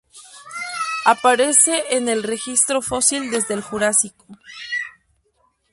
Aparece en el registro fósil desde el Jurásico.